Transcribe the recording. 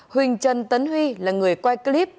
huỳnh trân tấn huy là người quay clip